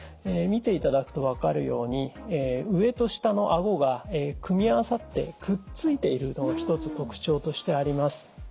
見ていただくと分かるように上と下のあごが組み合わさってくっついているのが一つ特徴としてあります。